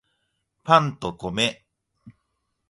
パンと米